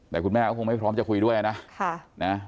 แต่คุณแม่ก็คงไม่พร้อมจะคุยด้วยนะ